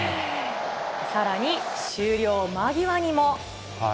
さらに、終了間際にも。